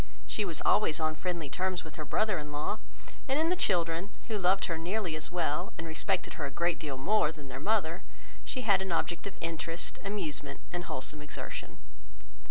She was always on friendly terms with her brother in law; and in the children, who loved her nearly as well, and respected her a great deal more than their mother, she had an object of interest, amusement, and wholesome exertion.